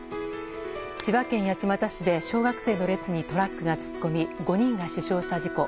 千葉県八街市で小学生の列にトラックが突っ込み５人が死傷した事故。